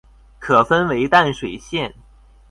可分為淡水線